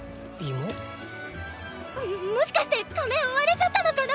もしかして仮面割れちゃったのかな？